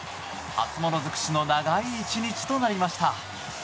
初物尽くしの長い１日となりました。